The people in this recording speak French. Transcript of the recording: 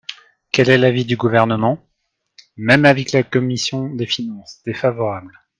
Quel est l’avis du Gouvernement ? Même avis que la commission des finances : défavorable.